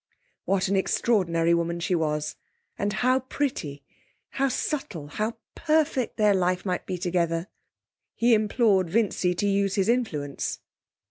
What an extraordinary woman she was and how pretty how subtle; how perfect their life might be together.... He implored Vincy to use his influence.